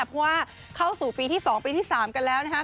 เพราะว่าเข้าสู่ปีที่๒ปีที่๓กันแล้วนะครับ